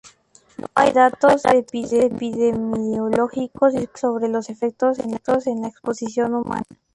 No hay datos epidemiológicos disponibles sobre los efectos en la exposición humana.